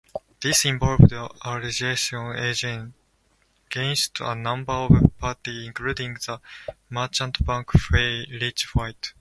This involved allegations against a number of parties including the merchant bank Fay Richwhite.